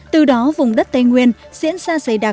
từ đó vùng đất tây nguyên diễn ra giấy đáp